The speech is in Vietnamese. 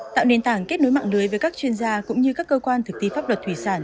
tạo nền tảng kết nối mạng lưới với các chuyên gia cũng như các cơ quan thực thi pháp luật thủy sản